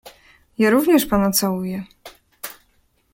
"Ja również pana całuję..."